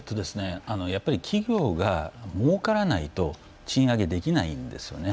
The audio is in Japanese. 企業がもうからないと賃上げできないんですよね。